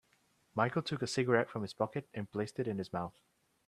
Michael took a cigarette from his pocket and placed it in his mouth.